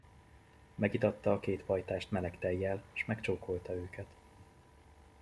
Megitatta a két pajtást meleg tejjel, s megcsókolta őket.